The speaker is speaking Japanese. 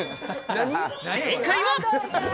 正解は。